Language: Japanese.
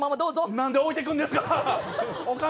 何で置いていくんですか。